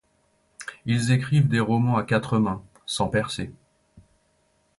Ils écrivent des romans à quatre mains, sans percer.